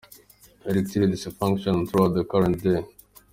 erectile dysfunction throughout the current day.